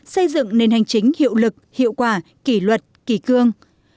sáu xây dựng nền hành chính hiệu lực hiệu quả kỷ luật kỷ cương